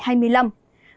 mức nhiệt cũng cao hơn